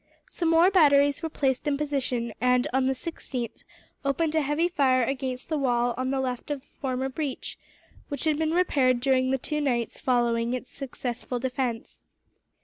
Some more batteries were placed in position and, on the 16th, opened a heavy fire against the wall on the left of the former breach, which had been repaired during the two nights following its successful defence.